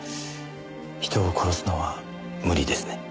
人を殺すのは無理ですね。